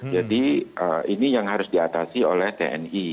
jadi ini yang harus diatasi oleh tni